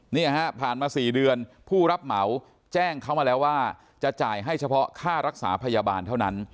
เนี่ยฮะผ่านมา๔เดือนผู้รับเหมาแจ้งเขามาแล้วว่าจะจ่ายให้เฉพาะค่ารักษาพยาบาลเท่านั้น